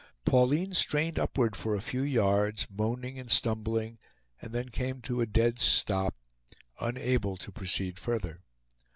Pauline strained upward for a few yards, moaning and stumbling, and then came to a dead stop, unable to proceed further.